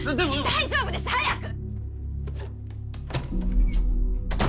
大丈夫です早く！